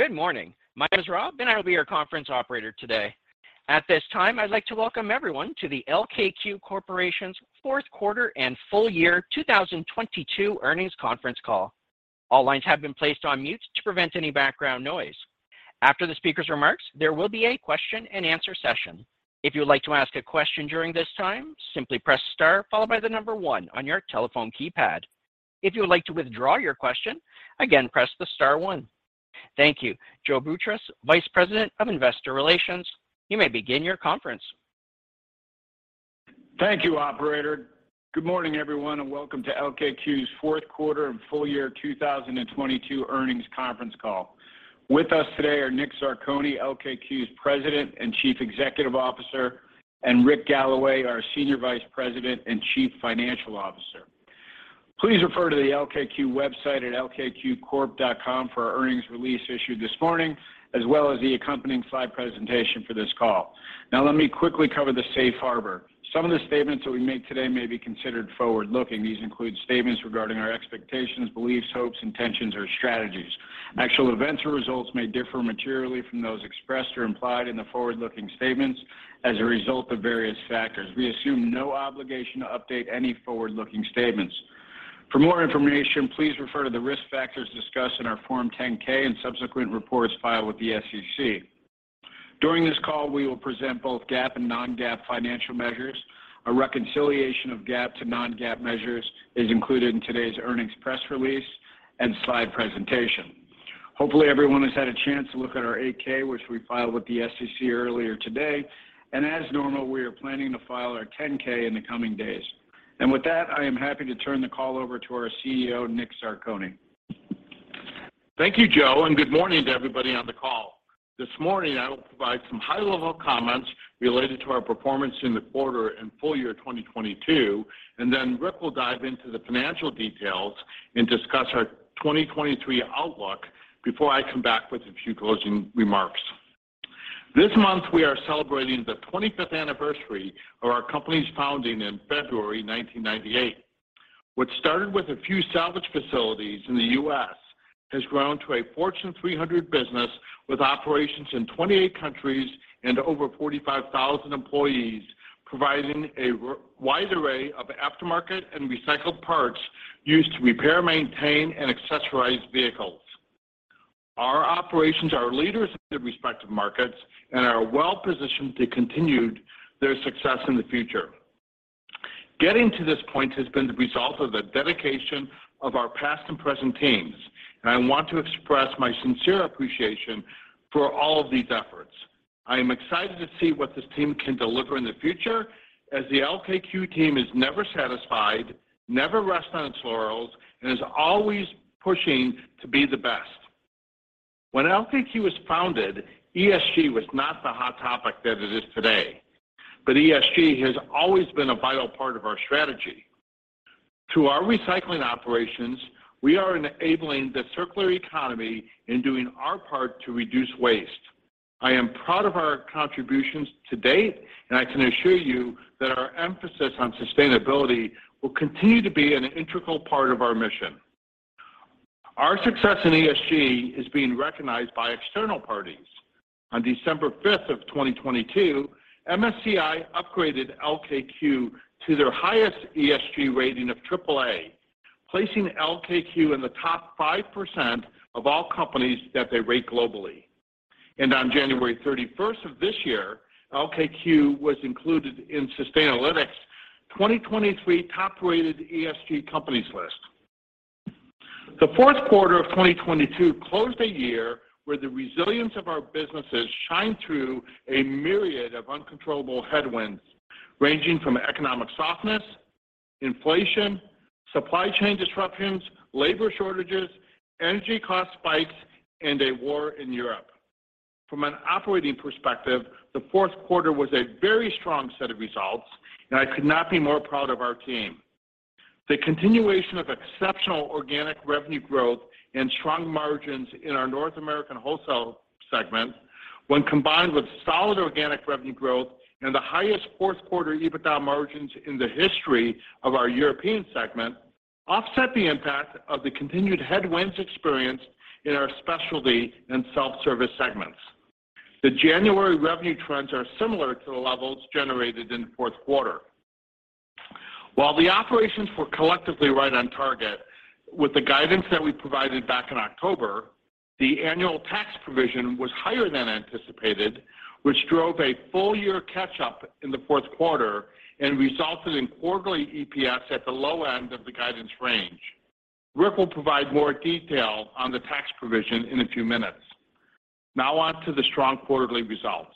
Good morning. My name is Rob, and I will be your conference operator today. At this time, I'd like to welcome everyone to the LKQ Corporation's Q4 and Full year 2022 Earnings Conference Call. All lines have been placed on mute to prevent any background noise. After the speaker's remarks, there will be a question-and-answer session. If you would like to ask a question during this time, simply press star followed by one on your telephone keypad. If you would like to withdraw your question, again, press the star one. Thank you. Joseph Boutross, Vice President of Investor Relations, you may begin your conference. Thank you, operator. Good morning, everyone, and welcome to LKQ's Q4and full year 2022 earnings conference call. With us today are Nick Zarcone, LKQ's President and Chief Executive Officer, and Rick Galloway, our Senior Vice President and Chief Financial Officer. Please refer to the LKQ website at lkqcorp.com for our earnings release issued this morning, as well as the accompanying slide presentation for this call. Now, let me quickly cover the safe harbour. Some of the statements that we make today may be considered forward-looking. These include statements regarding our expectations, beliefs, hopes, intentions, or strategies. Actual events or results may differ materially from those expressed or implied in the forward-looking statements as a result of various factors. We assume no obligation to update any forward-looking statements. For more information, please refer to the risk factors discussed in our Form 10-K and subsequent reports filed with the SEC. During this call, we will present both GAAP and non-GAAP financial measures. A reconciliation of GAAP to non-GAAP measures is included in today's earnings press release and slide presentation. Hopefully, everyone has had a chance to look at our 8-K, which we filed with the SEC earlier today. As normal, we are planning to file our 10-K in the coming days. With that, I am happy to turn the call over to our CEO, Nick Zarcone. Thank you, Joe, and good morning to everybody on the call. This morning, I will provide some high-level comments related to our performance in the quarter and full year 2022, and then Rick will dive into the financial details and discuss our 2023 outlook before I come back with a few closing remarks. This month, we are celebrating the 25th anniversary of our company's founding in February 1998. What started with a few salvage facilities in the U.S. has grown to a Fortune 300 business with operations in 28 countries and over 45,000 employees, providing a wide array of aftermarket and recycled parts used to repair, maintain, and accessorize vehicles. Our operations are leaders in their respective markets and are well-positioned to continued their success in the future. Getting to this point has been the result of the dedication of our past and present teams, and I want to express my sincere appreciation for all of these efforts. I am excited to see what this team can deliver in the future as the LKQ team is never satisfied, never rests on its laurels, and is always pushing to be the best. When LKQ was founded, ESG was not the hot topic that it is today, but ESG has always been a vital part of our strategy. Through our recycling operations, we are enabling the circular economy in doing our part to reduce waste. I am proud of our contributions to date, and I can assure you that our emphasis on sustainability will continue to be an integral part of our mission. Our success in ESG is being recognized by external parties. On December 5th of 2022, MSCI upgraded LKQ to their highest ESG rating of AAA, placing LKQ in the top 5% of all companies that they rate globally. On January 31st of this year, LKQ was included in Sustainalytics 2023 top-rated ESG companies list. The Q4 of 2022 closed a year where the resilience of our businesses shined through a myriad of uncontrollable headwinds, ranging from economic softness, inflation, supply chain disruptions, labour shortages, energy cost spikes, and a war in Europe. From an operating perspective, the Q4 was a very strong set of results. I could not be more proud of our team. The continuation of exceptional organic revenue growth and strong margins in our North American wholesale segment, when combined with solid organic revenue growth and the highest Q4 EBITDA margins in the history of our European segment, offset the impact of the continued headwinds experienced in our specialty and self-service segments. The January revenue trends are similar to the levels generated in the Q4. While the operations were collectively right on target with the guidance that we provided back in October, the annual tax provision was higher than anticipated, which drove a full year catch-up in the Q4 and resulted in quarterly EPS at the low end of the guidance range. Rick will provide more detail on the tax provision in a few minutes. On to the strong quarterly results.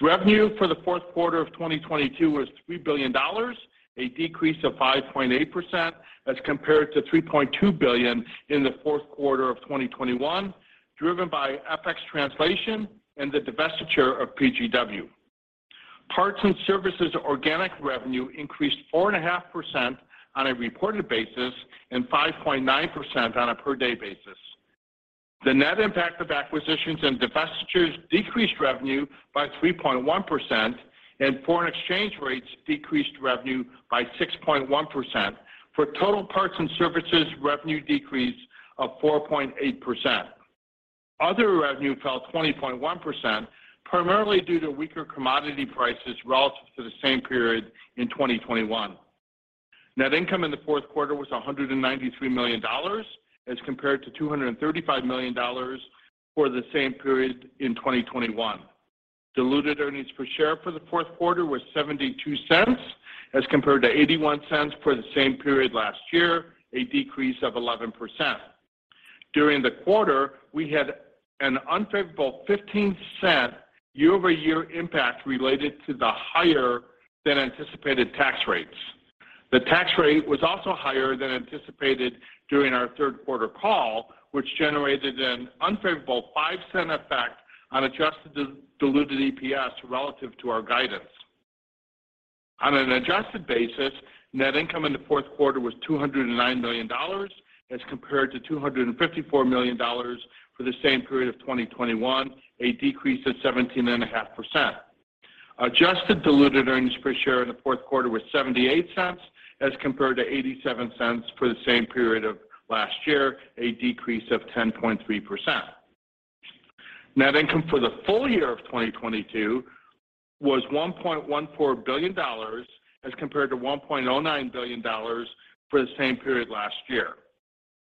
Revenue for the Q4 of 2022 was $3 billion, a decrease of 5.8% as compared to $3.2 billion in the Q4 of 2021, driven by FX translation and the divestiture of PGW. Parts and Services organic revenue increased 4.5% on a reported basis and 5.9% on a per-day basis. The net impact of acquisitions and divestitures decreased revenue by 3.1%. Foreign exchange rates decreased revenue by 6.1%. For total parts and services, revenue decreased of 4.8%. Other revenue fell 20.1%, primarily due to weaker commodity prices relative to the same period in 2021. Net income in the Q4 was $193 million as compared to $235 million for the same period in 2021. Diluted earnings per share for the Q4 were $0.72 as compared to $0.81 for the same period last year, a decrease of 11%. During the quarter, we had an unfavourable $0.15 year-over-year impact related to the higher than anticipated tax rates. The tax rate was also higher than anticipated during our third quarter call, which generated an unfavourable $0.05 effect on adjusted diluted EPS relative to our guidance. On an adjusted basis, net income in the Q4 was $209 million as compared to $254 million for the same period of 2021, a decrease of 17.5%. Adjusted diluted earnings per share in the Q4 was $0.78 as compared to $0.87 for the same period of last year, a decrease of 10.3%. Net income for the full year of 2022 was $1.14 billion as compared to $1.09 billion for the same period last year.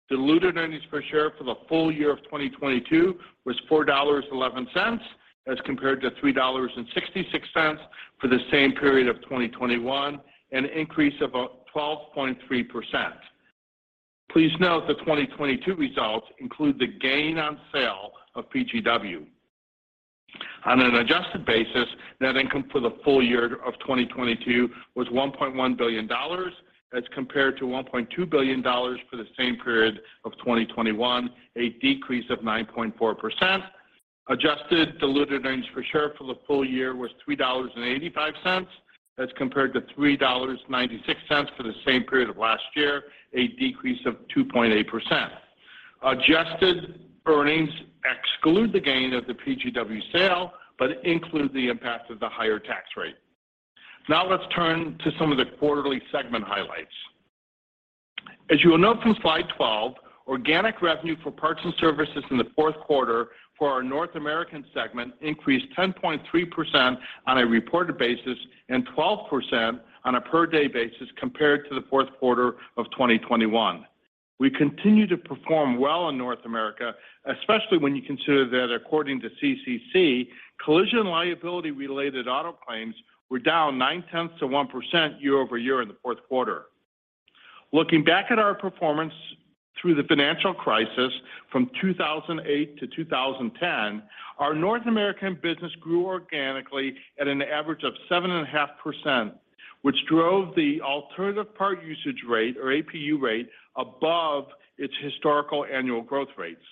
Diluted earnings per share for the full year of 2022 was $4.11 as compared to $3.66 for the same period of 2021, an increase of 12.3%. Please note the 2022 results include the gain on sale of PGW. On an adjusted basis, net income for the full year of 2022 was $1.1 billion as compared to $1.2 billion for the same period of 2021, a decrease of 9.4%. Adjusted diluted earnings per share for the full year was $3.85 as compared to $3.96 for the same period of last year, a decrease of 2.8%. Adjusted earnings exclude the gain of the PGW sale, but include the impact of the higher tax rate. Let's turn to some of the quarterly segment highlights. You will note from slide 12, organic revenue for parts and services in the Q4 for our North American segment increased 10.3% on a reported basis and 12% on a per-day basis compared to the Q4 of 2021. We continue to perform well in North America, especially when you consider that according to CCC, collision liability-related auto claims were down 0.9% year-over-year in the Q4. Looking back at our performance through the financial crisis from 2008 to 2010, our North American business grew organically at an average of 7.5%, which drove the alternative part usage rate or APU rate above its historical annual growth rates.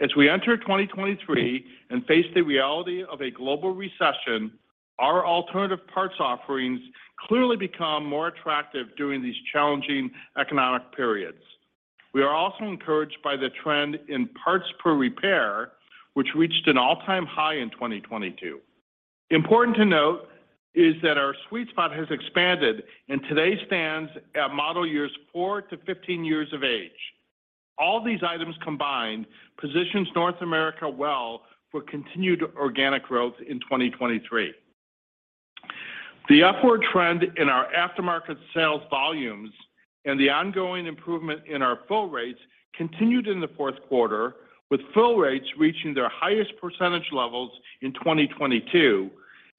As we enter 2023 and face the reality of a global recession, our alternative parts offerings clearly become more attractive during these challenging economic periods. We are also encouraged by the trend in parts per repair, which reached an all-time high in 2022. Important to note is that our sweet spot has expanded and today stands at model years four to 15 years of age. All these items combined positions North America well for continued organic growth in 2023. The upward trend in our aftermarket sales volumes and the ongoing improvement in our fill rates continued in the Q4, with fill rates reaching their highest percentage levels in 2022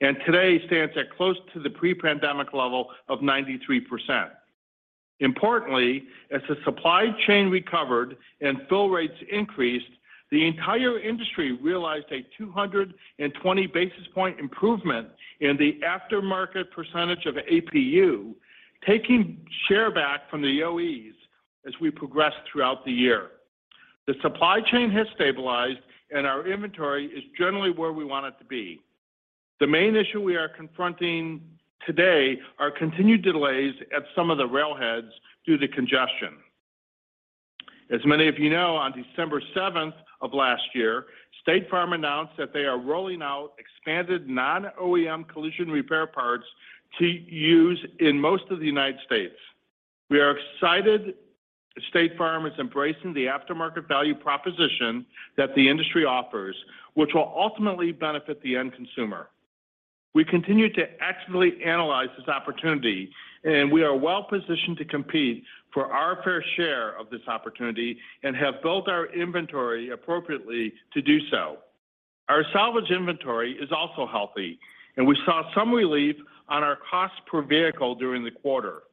and today stands at close to the pre-pandemic level of 93%. Importantly, as the supply chain recovered and fill rates increased, the entire industry realized a 220 basis point improvement in the aftermarket percentage of APU, taking share back from the OEs as we progress throughout the year. The supply chain has stabilized, and our inventory is generally where we want it to be. The main issue we are confronting today are continued delays at some of the rail heads due to congestion. As many of you know, on December 7th of last year, State Farm announced that they are rolling out expanded non-OEM collision repair parts to use in most of the United States. We are excited State Farm is embracing the aftermarket value proposition that the industry offers, which will ultimately benefit the end consumer. We continue to actively analyze this opportunity, and we are well-positioned to compete for our fair share of this opportunity and have built our inventory appropriately to do so. Our salvage inventory is also healthy, and we saw some relief on our cost per vehicle during the quarter.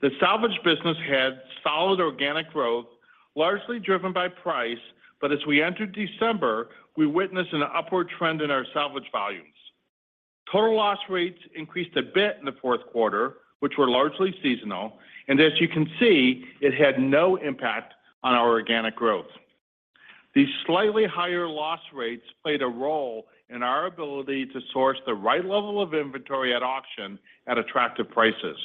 The salvage business had solid organic growth, largely driven by price, but as we entered December, we witnessed an upward trend in our salvage volumes. Total loss rates increased a bit in the Q4, which were largely seasonal. As you can see, it had no impact on our organic growth. These slightly higher loss rates played a role in our ability to source the right level of inventory at auction at attractive prices.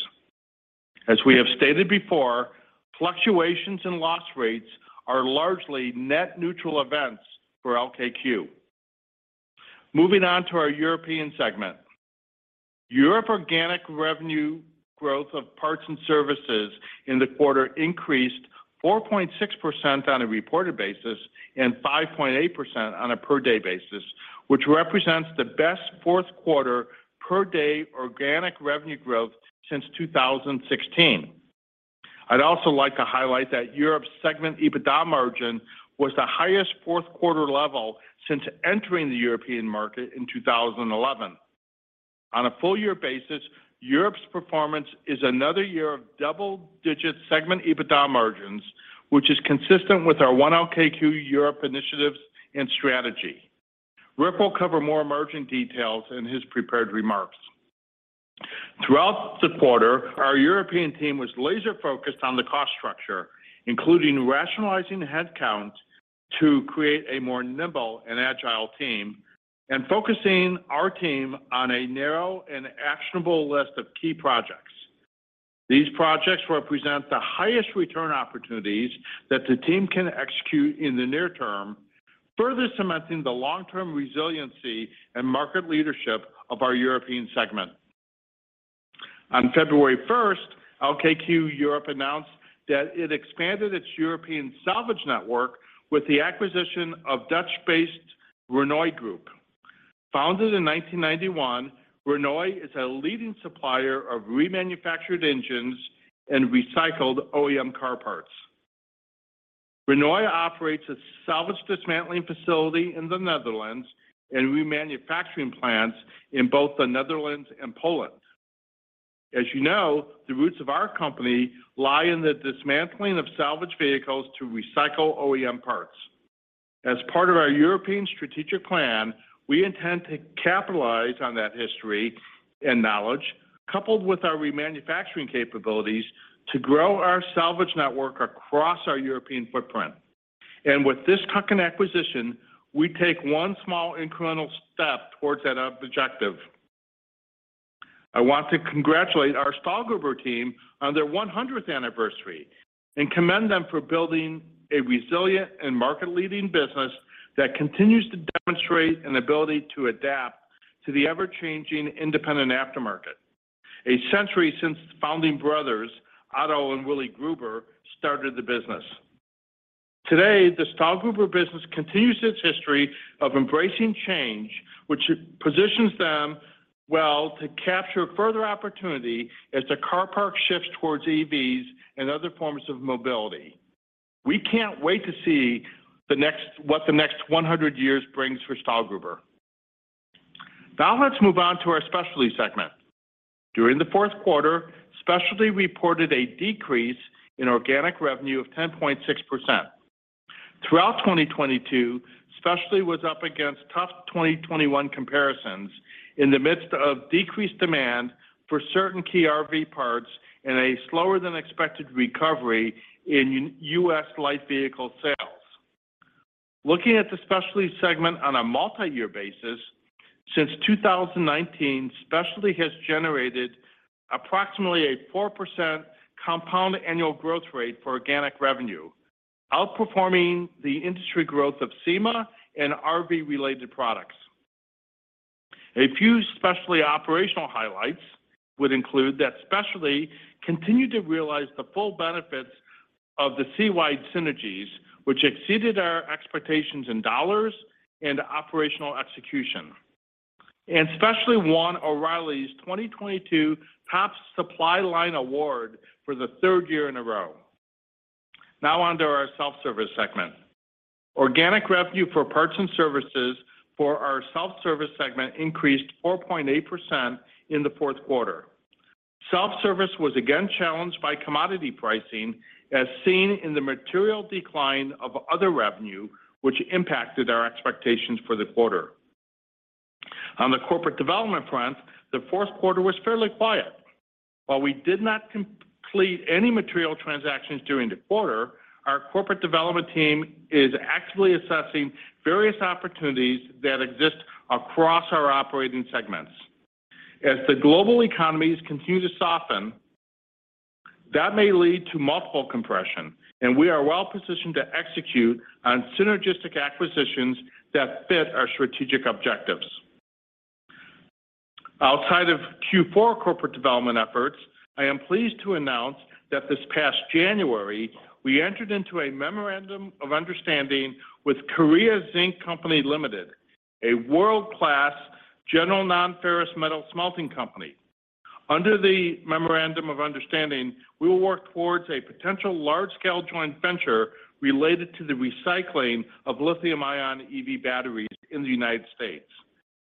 As we have stated before, fluctuations in loss rates are largely net neutral events for LKQ. Moving on to our European segment. Europe organic revenue growth of parts and services in the quarter increased 4.6% on a reported basis and 5.8% on a per day basis, which represents the best Q4 per day organic revenue growth since 2016. I'd also like to highlight that Europe segment EBITDA margin was the highest Q4 level since entering the European market in 2011. On a full year basis, Europe's performance is another year of double-digit segment EBITDA margins, which is consistent with our One LKQ Europe initiatives and strategy. Rick will cover more margin details in his prepared remarks. Throughout the quarter, our European team was laser focused on the cost structure, including rationalizing headcount to create a more nimble and agile team and focusing our team on a narrow and actionable list of key projects. These projects represent the highest return opportunities that the team can execute in the near term, further cementing the long-term resiliency and market leadership of our European segment. On February first, LKQ Europe announced that it expanded its European salvage network with the acquisition of Dutch-based Rhenoy Group. Founded in 1991, Rhenoy is a leading supplier of remanufactured engines and recycled OEM car parts. Rhenoy operates a salvage dismantling facility in the Netherlands and remanufacturing plants in both the Netherlands and Poland. As you know, the roots of our company lie in the dismantling of salvage vehicles to recycle OEM parts. As part of our European strategic plan, we intend to capitalize on that history and knowledge, coupled with our remanufacturing capabilities to grow our salvage network across our European footprint. With this tuck-in acquisition, we take one small incremental step towards that objective. I want to congratulate our STAHLGRUBER team on their 100th anniversary and commend them for building a resilient and market-leading business that continues to demonstrate an ability to adapt to the ever-changing independent aftermarket. A century since the founding brothers, Otto and Willy Gruber, started the business. Today, the STAHLGRUBER business continues its history of embracing change, which positions them well to capture further opportunity as the car park shifts towards EVs and other forms of mobility. We can't wait to see what the next 100 years brings for STAHLGRUBER. Let's move on to our Specialty segment. During the Q4, Specialty reported a decrease in organic revenue of 10.6%. Throughout 2022, Specialty was up against tough 2021 comparisons in the midst of decreased demand for certain key RV parts and a slower than expected recovery in U.S. light vehicle sales. Looking at the Specialty segment on a multi-year basis, since 2019, Specialty has generated approximately a 4% compound annual growth rate for organic revenue, outperforming the industry growth of SEMA and RV related products. A few Specialty operational highlights would include that Specialty continued to realize the full benefits of the SeaWide synergies, which exceeded our expectations in dollars and operational execution. Specialty won O'Reilly's 2022 Top Supply Line Award for the third year in a row. On to our self-service segment. Organic revenue for parts and services for our self-service segment increased 4.8% in the Q4. Self-service was again challenged by commodity pricing, as seen in the material decline of other revenue which impacted our expectations for the quarter. On the corporate development front, the Q4 was fairly quiet. While we did not complete any material transactions during the quarter, our corporate development team is actively assessing various opportunities that exist across our operating segments. As the global economies continue to soften, that may lead to multiple compression, and we are well-positioned to execute on synergistic acquisitions that fit our strategic objectives. Outside of Q4 corporate development efforts, I am pleased to announce that this past January, we entered into a memorandum of understanding with Korea Zinc Company, Ltd., a world-class general non-ferrous metal smelting company. Under the memorandum of understanding, we will work towards a potential large-scale joint venture related to the recycling of lithium-ion EV batteries in the United States.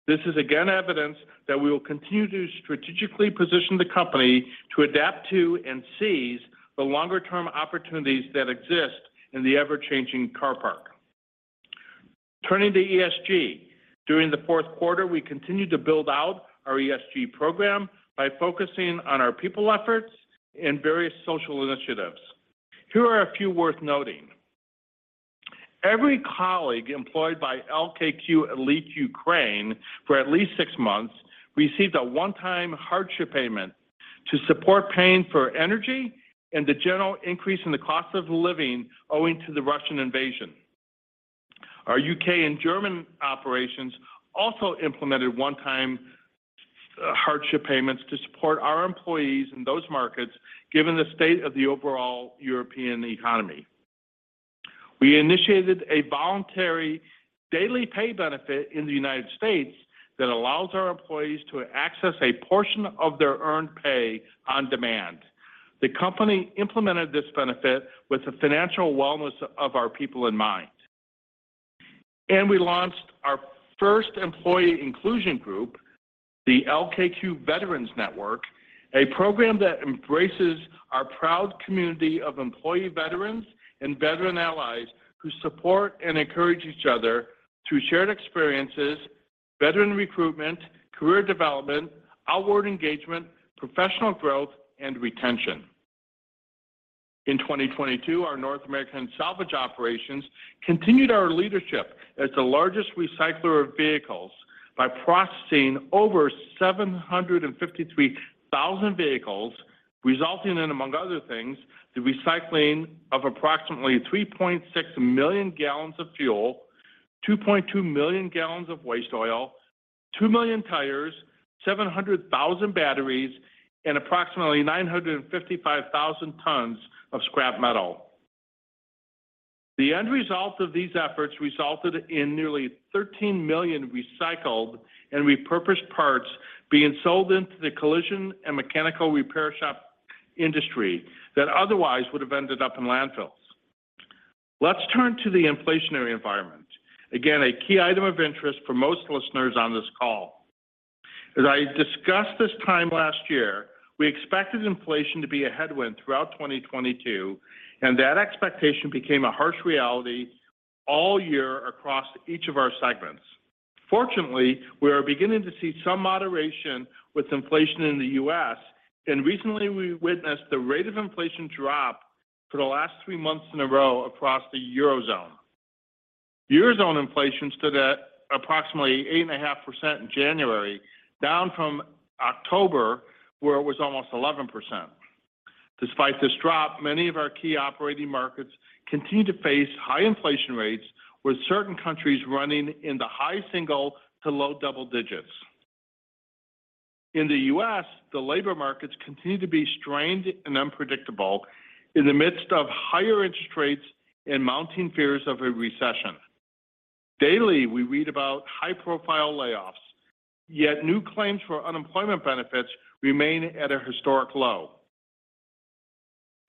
This is again evidence that we will continue to strategically position the company to adapt to and seize the longer-term opportunities that exist in the ever-changing car park. Turning to ESG, during the Q4, we continued to build out our ESG program by focusing on our people efforts and various social initiatives. Here are a few worth noting. Every colleague employed by LKQ ELIT Ukraine for at least six months received a one-time hardship payment to support paying for energy and the general increase in the cost of living owing to the Russian invasion. Our U.K. and German operations also implemented one-time hardship payments to support our employees in those markets, given the state of the overall European economy. We initiated a voluntary daily pay benefit in the U.S. that allows our employees to access a portion of their earned pay on demand. The company implemented this benefit with the financial wellness of our people in mind. We launched our first employee inclusion group, the LKQ Veterans Network, a program that embraces our proud community of employee veterans and veteran allies who support and encourage each other through shared experiences, veteran recruitment, career development, outward engagement, professional growth, and retention. In 2022, our North American salvage operations continued our leadership as the largest recycler of vehicles by processing over 753,000 vehicles, resulting in, among other things, the recycling of approximately 3.6 million gallons of fuel, 2.2 million gallons of waste oil, 2 million tires, 700,000 batteries, and approximately 955,000 tons of scrap metal. The end result of these efforts resulted in nearly 13 million recycled and repurposed parts being sold into the collision and mechanical repair shop industry that otherwise would have ended up in landfills. Let's turn to the inflationary environment. Again, a key item of interest for most listeners on this call. As I discussed this time last year, we expected inflation to be a headwind throughout 2022, and that expectation became a harsh reality all year across each of our segments. Fortunately, we are beginning to see some moderation with inflation in the U.S., and recently we witnessed the rate of inflation drop for the last three months in a row across the Eurozone. Eurozone inflation stood at approximately 8.5% in January, down from October, where it was almost 11%. Despite this drop, many of our key operating markets continue to face high inflation rates, with certain countries running in the high single to low double digits. In the U.S., the labour markets continue to be strained and unpredictable in the midst of higher interest rates and mounting fears of a recession. Daily, we read about high-profile layoffs, yet new claims for unemployment benefits remain at a historic low.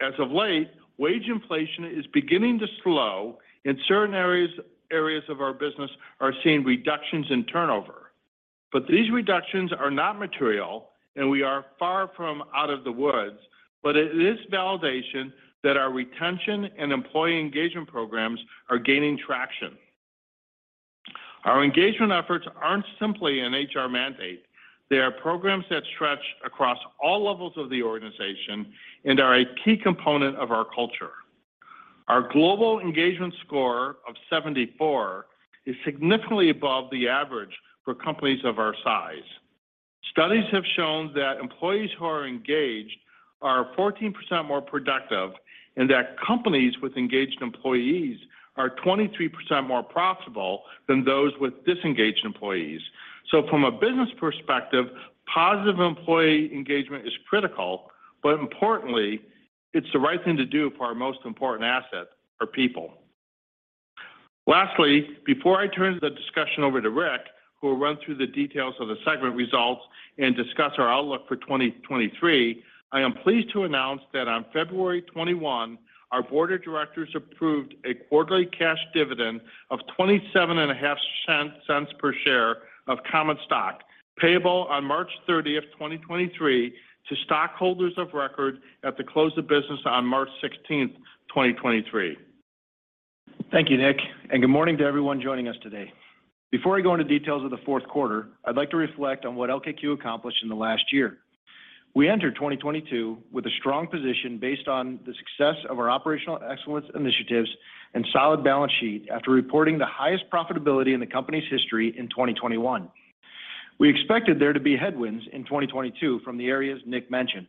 As of late, wage inflation is beginning to slow, and certain areas of our business are seeing reductions in turnover. These reductions are not material, and we are far from out of the woods, but it is validation that our retention and employee engagement programs are gaining traction. Our engagement efforts aren't simply an HR mandate. They are programs that stretch across all levels of the organization and are a key component of our culture. Our global engagement score of 74 is significantly above the average for companies of our size. Studies have shown that employees who are engaged are 14% more productive, and that companies with engaged employees are 23% more profitable than those with disengaged employees. From a business perspective, positive employee engagement is critical, but importantly, it's the right thing to do for our most important asset, our people. Lastly, before I turn the discussion over to Rick, who will run through the details of the segment results and discuss our outlook for 2023, I am pleased to announce that on February 21, our board of directors approved a quarterly cash dividend of $0.275 per share of common stock, payable on March 30th, 2023 to stockholders of record at the close of business on March 16th, 2023. Thank you, Nick. Good morning to everyone joining us today. Before I go into details of the Q4, I'd like to reflect on what LKQ accomplished in the last year. We entered 2022 with a strong position based on the success of our operational excellence initiatives and solid balance sheet after reporting the highest profitability in the company's history in 2021. We expected there to be headwinds in 2022 from the areas Nick mentioned.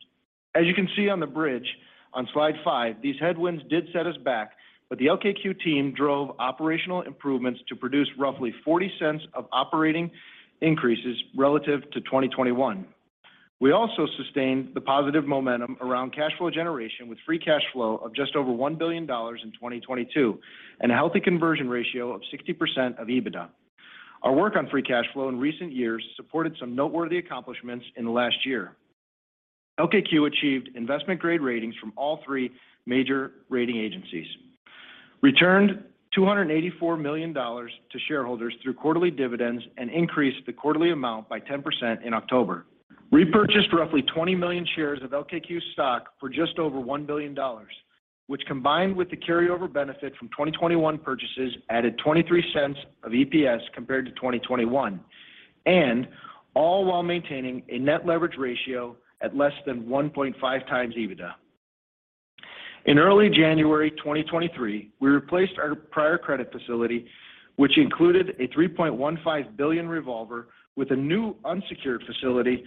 As you can see on the bridge on slide five, these headwinds did set us back, but the LKQ team drove operational improvements to produce roughly $0.40 of operating increases relative to 2021. We also sustained the positive momentum around cash flow generation with free cash flow of just over $1 billion in 2022 and a healthy conversion ratio of 60% of EBITDA. Our work on free cash flow in recent years supported some noteworthy accomplishments in the last year. LKQ achieved investment grade ratings from all three major rating agencies, returned $284 million to shareholders through quarterly dividends and increased the quarterly amount by 10% in October. Repurchased roughly 20 million shares of LKQ stock for just over $1 billion, which combined with the carryover benefit from 2021 purchases, added $0.23 of EPS compared to 2021, and all while maintaining a net leverage ratio at less than 1.5x EBITDA. In early January 2023, we replaced our prior credit facility, which included a $3.15 billion revolver with a new unsecured facility,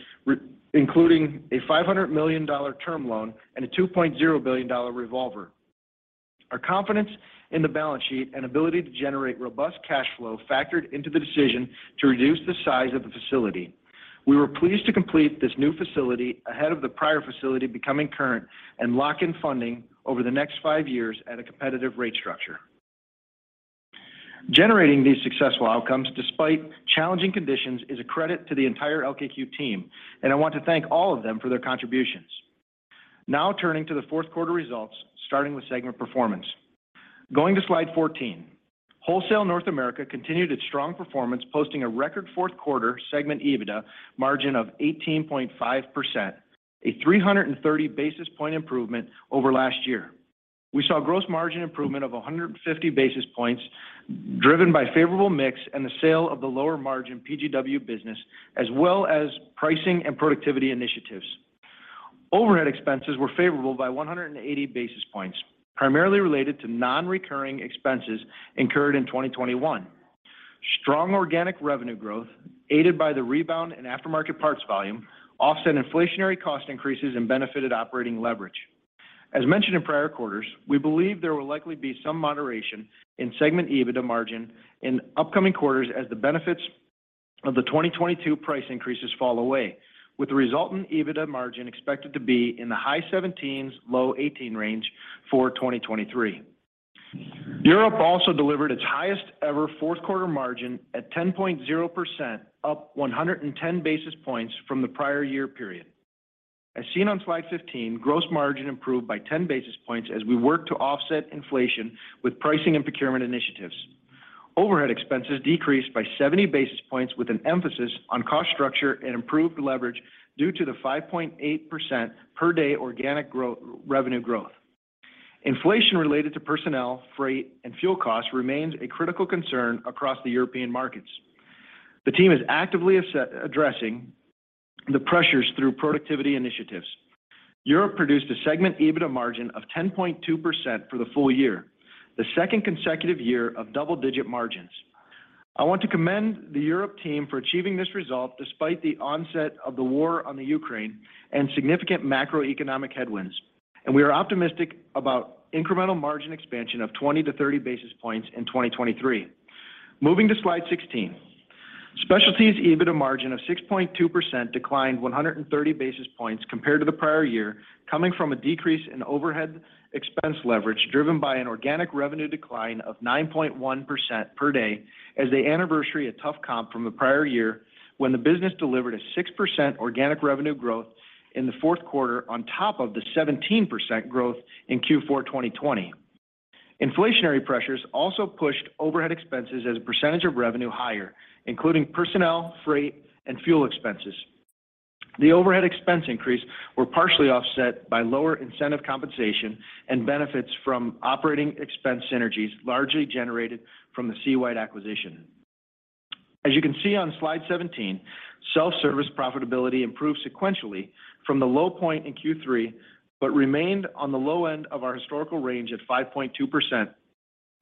including a $500 million term loan and a $2.0 billion revolver. Our confidence in the balance sheet and ability to generate robust cash flow factored into the decision to reduce the size of the facility. We were pleased to complete this new facility ahead of the prior facility becoming current and lock in funding over the next five years at a competitive rate structure. Generating these successful outcomes despite challenging conditions is a credit to the entire LKQ team, and I want to thank all of them for their contributions. Turning to the Q4 results, starting with segment performance. Going to slide 14. Wholesale North America continued its strong performance, posting a record Q4 segment EBITDA margin of 18.5%, a 330 basis point improvement over last year. We saw gross margin improvement of 150 basis points, driven by favourable mix and the sale of the lower margin PGW business, as well as pricing and productivity initiatives. Overhead expenses were favourable by 180 basis points, primarily related to non-recurring expenses incurred in 2021. Strong organic revenue growth, aided by the rebound in aftermarket parts volume, offset inflationary cost increases and benefited operating leverage. As mentioned in prior quarters, we believe there will likely be some moderation in segment EBITDA margin in upcoming quarters as the benefits of the 2022 price increases fall away, with the resultant EBITDA margin expected to be in the high 17s, low 18% range for 2023. Europe also delivered its highest ever Q4 margin at 10.0%, up 110 basis points from the prior year period. As seen on slide 15, gross margin improved by 10 basis points as we work to offset inflation with pricing and procurement initiatives. Overhead expenses decreased by 70 basis points with an emphasis on cost structure and improved leverage due to the 5.8% per day organic revenue growth. Inflation related to personnel, freight, and fuel costs remains a critical concern across the European markets. The team is actively addressing the pressures through productivity initiatives. Europe produced a segment EBITDA margin of 10.2% for the full year, the second consecutive year of double-digit margins. I want to commend the Europe team for achieving this result despite the onset of the war on the Ukraine and significant macroeconomic headwinds. We are optimistic about incremental margin expansion of 20 to 30 basis points in 2023. Moving to slide 16. Specialties EBITDA margin of 6.2% declined 130 basis points compared to the prior year, coming from a decrease in overhead expense leverage driven by an organic revenue decline of 9.1% per day as they anniversary a tough comp from the prior year when the business delivered a 6% organic revenue growth in the Q4 on top of the 17% growth in Q4 2020. Inflationary pressures also pushed overhead expenses as a percentage of revenue higher, including personnel, freight, and fuel expenses. The overhead expense increase were partially offset by lower incentive compensation and benefits from operating expense synergies largely generated from the SeaWide acquisition. As you can see on slide 17, self-service profitability improved sequentially from the low point in Q3, but remained on the low end of our historical range at 5.2%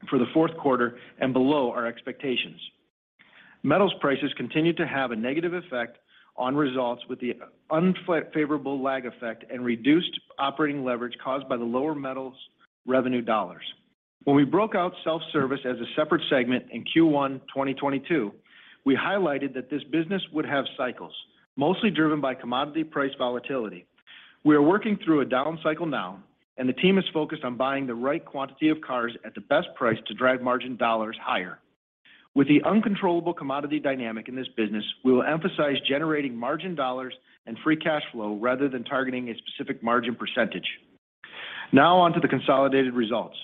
for the Q4 and below our expectations. Metals prices continued to have a negative effect on results with the unfavorable lag effect and reduced operating leverage caused by the lower metals revenue dollars. When we broke out self-service as a separate segment in Q1 2022, we highlighted that this business would have cycles, mostly driven by commodity price volatility. We are working through a down cycle now, and the team is focused on buying the right quantity of cars at the best price to drive margin dollars higher. With the uncontrollable commodity dynamic in this business, we will emphasize generating margin dollars and free cash flow rather than targeting a specific margin percentage. On to the consolidated results.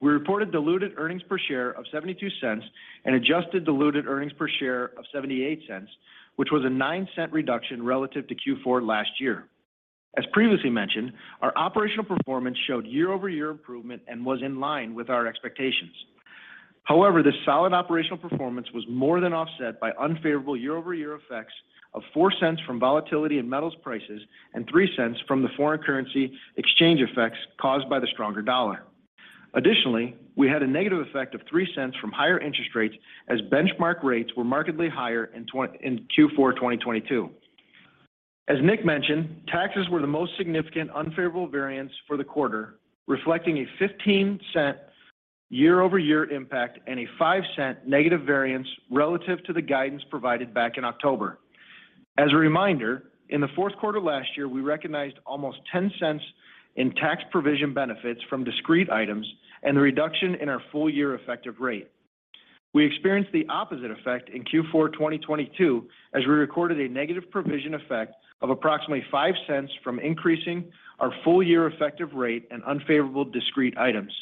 We reported diluted earnings per share of $0.72 and adjusted diluted earnings per share of $0.78, which was a $0.09 reduction relative to Q4 last year. As previously mentioned, our operational performance showed year-over-year improvement and was in line with our expectations. This solid operational performance was more than offset by unfavourable year-over-year effects of $0.04 from volatility in metals prices and $0.03 from the foreign currency exchange effects caused by the stronger dollar. We had a negative effect of $0.03 from higher interest rates as benchmark rates were markedly higher in Q4 2022. As Nick mentioned, taxes were the most significant unfavourable variance for the quarter, reflecting a $0.15 year-over-year impact and a $0.05 negative variance relative to the guidance provided back in October. As a reminder, in the Q4 last year, we recognized almost $0.10 in tax provision benefits from discrete items and the reduction in our full year effective rate. We experienced the opposite effect in Q4 2022 as we recorded a negative provision effect of approximately $0.05 from increasing our full year effective rate and unfavourable discrete items.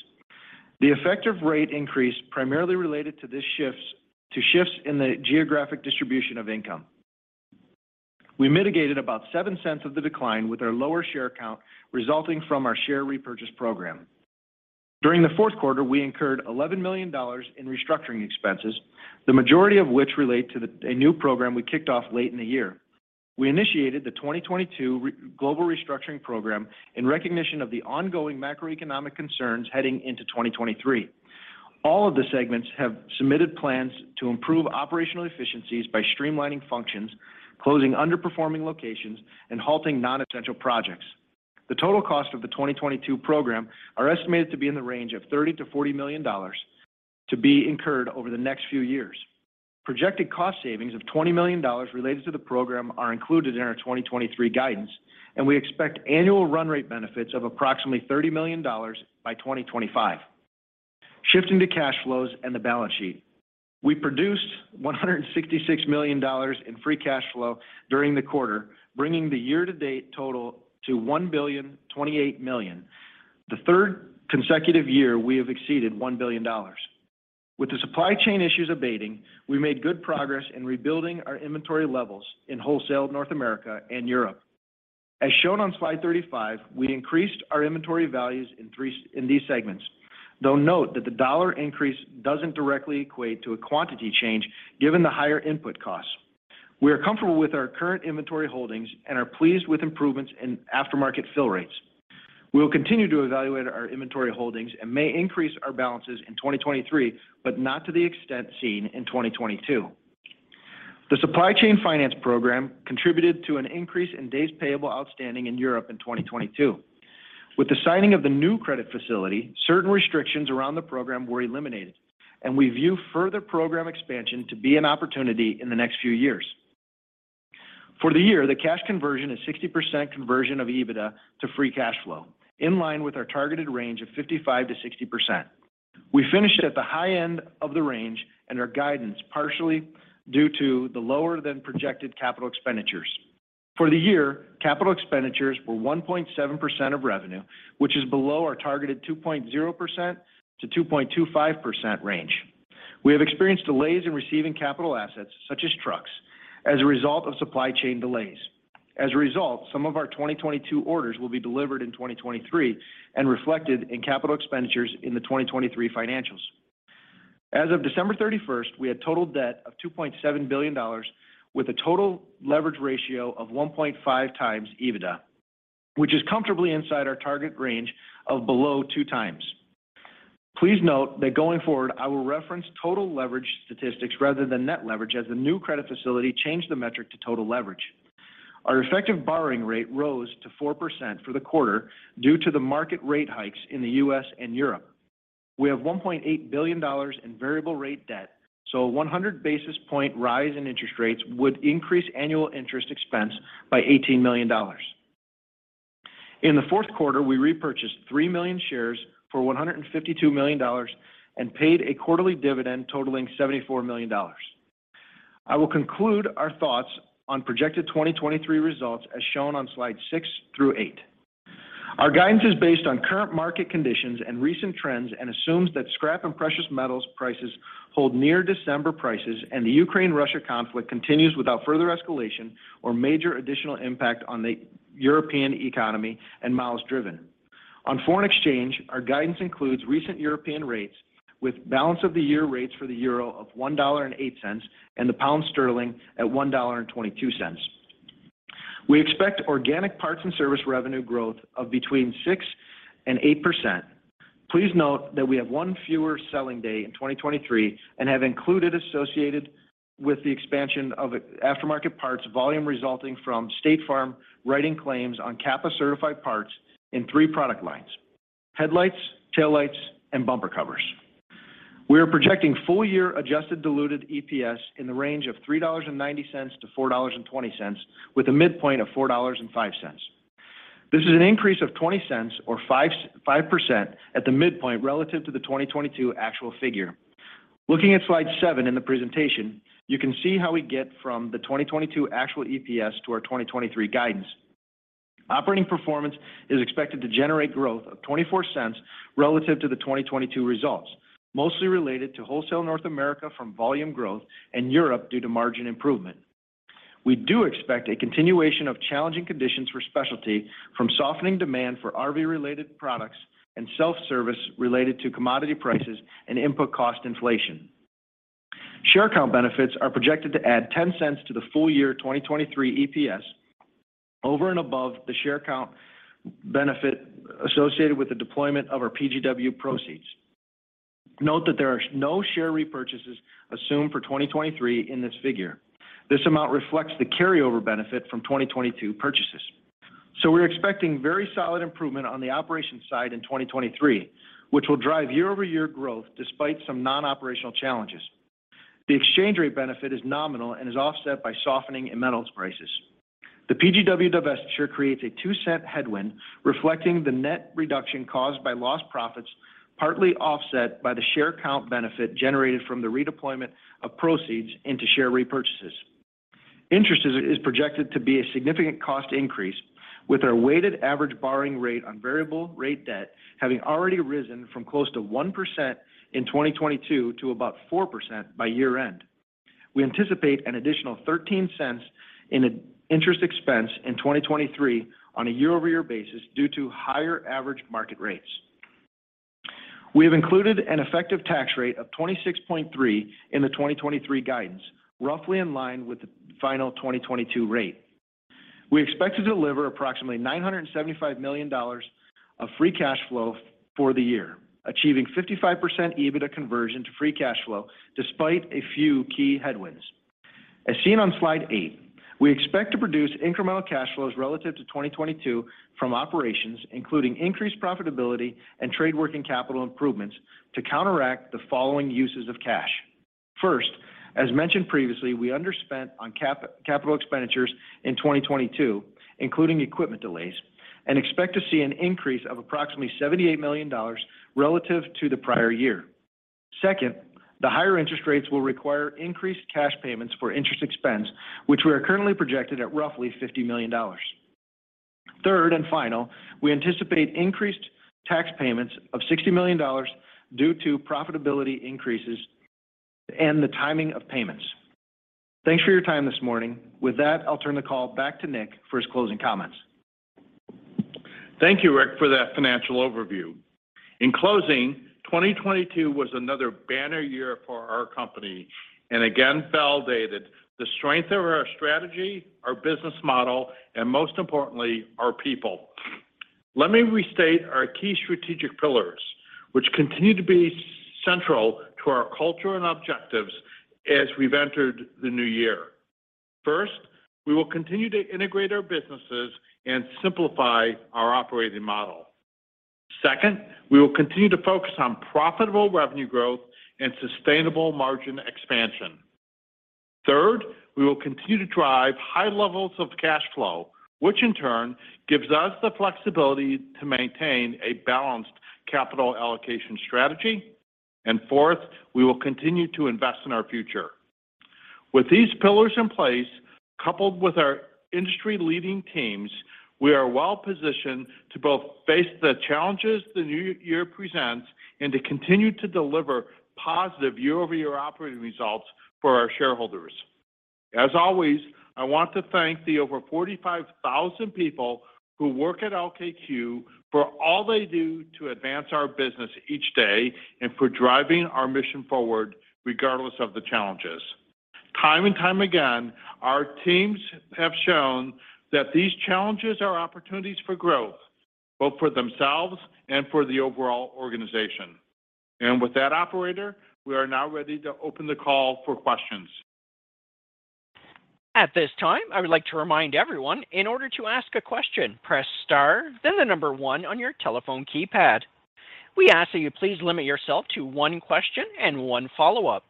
The effective rate increase primarily related to shifts in the geographic distribution of income. We mitigated about $0.07 of the decline with our lower share count resulting from our share repurchase program. During the Q4, we incurred $11 million in restructuring expenses, the majority of which relate to a new program we kicked off late in the year. We initiated the 2022 global restructuring program in recognition of the ongoing macroeconomic concerns heading into 2023. All of the segments have submitted plans to improve operational efficiencies by streamlining functions, closing underperforming locations, and halting non-essential projects. The total cost of the 2022 program are estimated to be in the range of $30 million to 40 million to be incurred over the next few years. Projected cost savings of $20 million related to the program are included in our 2023 guidance, we expect annual run rate benefits of approximately $30 million by 2025. Shifting to cash flows and the balance sheet. We produced $166 million in free cash flow during the quarter, bringing the year-to-date total to $1.028 billion, the third consecutive year we have exceeded $1 billion. With the supply chain issues abating, we made good progress in rebuilding our inventory levels in wholesale North America and Europe. As shown on slide 35, we increased our inventory values in these segments, though note that the dollar increase doesn't directly equate to a quantity change given the higher input costs. We are comfortable with our current inventory holdings and are pleased with improvements in aftermarket fill rates. We will continue to evaluate our inventory holdings and may increase our balances in 2023, but not to the extent seen in 2022. The supply chain finance program contributed to an increase in days payable outstanding in Europe in 2022. With the signing of the new credit facility, certain restrictions around the program were eliminated. We view further program expansion to be an opportunity in the next few years. For the year, the cash conversion is 60% conversion of EBITDA to free cash flow, in line with our targeted range of 55% to 60%. We finished at the high end of the range and our guidance partially due to the lower than projected CapEx. For the year, CapEx were 1.7% of revenue, which is below our targeted 2.0% to 2.25% range. We have experienced delays in receiving capital assets, such as trucks, as a result of supply chain delays. As a result, some of our 2022 orders will be delivered in 2023 and reflected in CapEx in the 2023 financials. As of December 31st, we had total debt of $2.7 billion with a total leverage ratio of 1.5x EBITDA, which is comfortably inside our target range of below 2x. Please note that going forward, I will reference total leverage statistics rather than net leverage as the new credit facility changed the metric to total leverage. Our effective borrowing rate rose to 4% for the quarter due to the market rate hikes in the U.S. and Europe. We have $1.8 billion in variable rate debt, a 100 basis point rise in interest rates would increase annual interest expense by $18 million. In the Q4, we repurchased 3 million shares for $152 million and paid a quarterly dividend totalling $74 million. I will conclude our thoughts on projected 2023 results as shown on slide six through eight. Our guidance is based on current market conditions and recent trends and assumes that scrap and precious metals prices hold near December prices and the Ukraine-Russia conflict continues without further escalation or major additional impact on the European economy and miles driven. On foreign exchange, our guidance includes recent European rates with balance of the year rates for the euro of $1.08 and the pound sterling at $1.22. We expect organic parts and service revenue growth of between 6% and 8%. Please note that we have one fewer selling day in 2023 and have included associated with the expansion of aftermarket parts volume resulting from State Farm writing claims on CAPA-certified parts in three product lines: headlights, taillights, and bumper covers. We are projecting full year adjusted diluted EPS in the range of $3.90 to $4.20 with a midpoint of $4.05. This is an increase of $0.20 or 5% at the midpoint relative to the 2022 actual figure. Looking at slide seven in the presentation, you can see how we get from the 2022 actual EPS to our 2023 guidance. Operating performance is expected to generate growth of $0.24 relative to the 2022 results, mostly related to wholesale North America from volume growth and Europe due to margin improvement. We do expect a continuation of challenging conditions for specialty from softening demand for RV-related products and self-service related to commodity prices and input cost inflation. Share count benefits are projected to add $0.10 to the full year 2023 EPS over and above the share count benefit associated with the deployment of our PGW proceeds. Note that there are no share repurchases assumed for 2023 in this figure. This amount reflects the carryover benefit from 2022 purchases. We're expecting very solid improvement on the operations side in 2023, which will drive year-over-year growth despite some non-operational challenges. The exchange rate benefit is nominal and is offset by softening in metals prices. The PGW divestiture creates a $0.02 headwind reflecting the net reduction caused by lost profits, partly offset by the share count benefit generated from the redeployment of proceeds into share repurchases. Interest is projected to be a significant cost increase with our weighted average borrowing rate on variable rate debt having already risen from close to 1% in 2022 to about 4% by year-end. We anticipate an additional $0.13 in an interest expense in 2023 on a year-over-year basis due to higher average market rates. We have included an effective tax rate of 26.3% in the 2023 guidance, roughly in line with the final 2022 rate. We expect to deliver approximately $975 million of free cash flow for the year, achieving 55% EBITDA conversion to free cash flow despite a few key headwinds. As seen on slide eight, we expect to produce incremental cash flows relative to 2022 from operations, including increased profitability and trade working capital improvements to counteract the following uses of cash. First, as mentioned previously, we underspent on capital expenditures in 2022, including equipment delays, and expect to see an increase of approximately $78 million relative to the prior year. Second, the higher interest rates will require increased cash payments for interest expense, which we are currently projected at roughly $50 million. Third and final, we anticipate increased tax payments of $60 million due to profitability increases and the timing of payments. Thanks for your time this morning. With that, I'll turn the call back to Nick for his closing comments. Thank you, Rick, for that financial overview. In closing, 2022 was another banner year for our company and again validated the strength of our strategy, our business model, and most importantly, our people. Let me restate our key strategic pillars, which continue to be central to our culture and objectives as we've entered the new year. First, we will continue to integrate our businesses and simplify our operating model. Second, we will continue to focus on profitable revenue growth and sustainable margin expansion. Third, we will continue to drive high levels of cash flow, which in turn gives us the flexibility to maintain a balanced capital allocation strategy. Fourth, we will continue to invest in our future. With these pillars in place, coupled with our industry leading teams, we are well-positioned to both face the challenges the new year presents and to continue to deliver positive year-over-year operating results for our shareholders. As always, I want to thank the over 45,000 people who work at LKQ for all they do to advance our business each day and for driving our mission forward regardless of the challenges. Time and time again, our teams have shown that these challenges are opportunities for growth, both for themselves and for the overall organization. With that, operator, we are now ready to open the call for questions. At this time, I would like to remind everyone, in order to ask a question, press star, then the number one on your telephone keypad. We ask that you please limit yourself to one question and one follow-up.